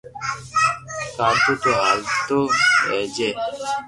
گاڌو تو ھالتو رڄئي